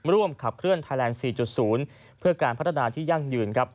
ร่วมขับเคลื่อนไทยแลนด์๔๐เพื่อการพัฒนาที่ยั่งยืนครับ